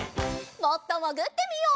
もっともぐってみよう。